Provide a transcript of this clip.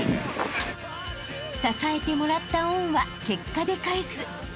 ［支えてもらった恩は結果で返す］